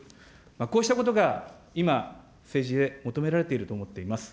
こうしたことが今、政治で求められていると思っています。